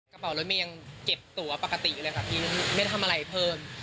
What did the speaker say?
กระเป๋ารถเมย์ยังเก็บตัวปกติเลยค่ะพี่ไม่ได้ทำอะไรเพิ่ม